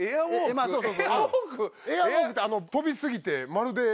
エアウォークって跳びすぎてまるで空を。